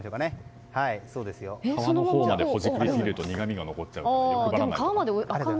ほじくりすぎると苦みが残っちゃうから欲張らない。